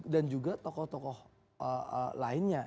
dan juga tokoh tokoh lainnya